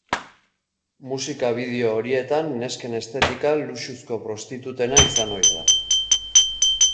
Musika bideo horietan nesken estetika luxuzko prostitutena izan ohi da.